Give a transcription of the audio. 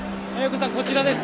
こちらです。